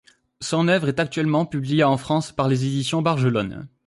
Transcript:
Son œuvre est actuellement publiée en France par les éditions Bragelonne.